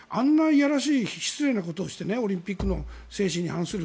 嫌らしい失礼なことをしてオリンピックの精神に反する。